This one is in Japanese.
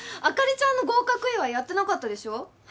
あかりちゃんの合格祝いやってなかったでしょ？